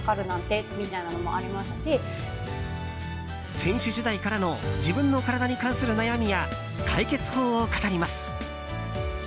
選手時代からの自分の体に関する悩みや解決法を語ります。